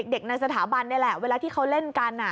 ในสถาบันนี่แหละเวลาที่เขาเล่นกัน